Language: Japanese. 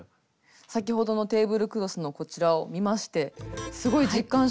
先ほどのテーブルクロスのこちらを見ましてすごい実感しました。